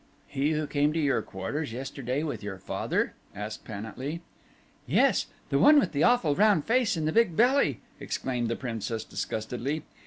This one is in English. "He who came to your quarters yesterday with your father?" asked Pan at lee. "Yes; the one with the awful round face and the big belly," exclaimed the Princess disgustedly.